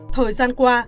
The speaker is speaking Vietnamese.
thời gian qua